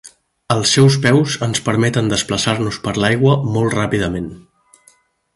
Els seus peus ens permeten desplaçar-nos per l'aigua molt ràpidament.